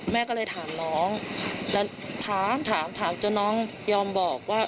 แม่ก็เลยถามน้องแล้วถามถามจนน้องยอมบอกว่า